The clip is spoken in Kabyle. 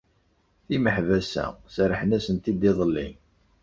Timeḥbas-a serrḥen-asent-id iḍelli.